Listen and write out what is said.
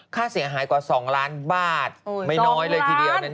ค่าเสียหายกว่า๒ล้านบาทไม่น้อยเลยทีเดียว